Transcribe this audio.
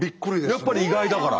やっぱり意外だから？